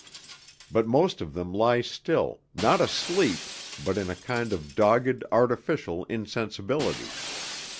But most of them lie still, not asleep, but in a kind of dogged artificial insensibility.